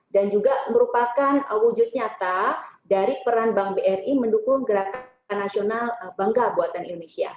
dan juga merupakan wujud nyata dari peran bam bri mendukung gerakan nasional bangga buatan indonesia